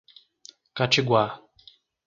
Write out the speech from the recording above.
Catiguá